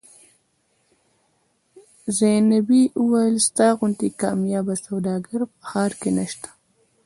زینبې وویل ستا غوندې کاميابه سوداګر په ښار کې نشته.